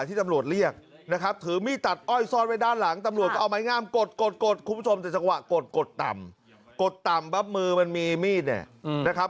กดต่ำปั๊บมือมันมีมีดเนี่ยนะครับ